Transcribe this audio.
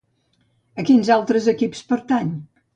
A quins altres equips pertany?